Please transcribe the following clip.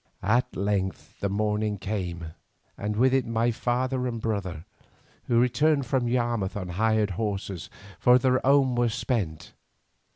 At length the morning came, and with it my father and brother, who returned from Yarmouth on hired horses, for their own were spent.